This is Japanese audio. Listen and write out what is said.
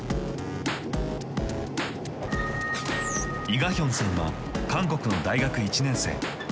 イ・ガヒョンさんは韓国の大学１年生。